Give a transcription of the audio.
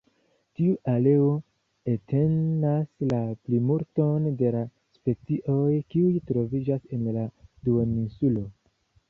Tiu areo entenas la plimulton de la specioj kiuj troviĝas en la duoninsulo.